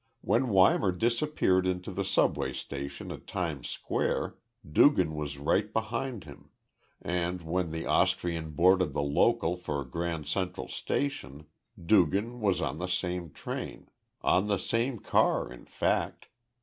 When Weimar disappeared into the Subway station at Times Square, Dugan was right behind him, and when the Austrian boarded the local for Grand Central Station, Dugan was on the same train on the same car, in fact.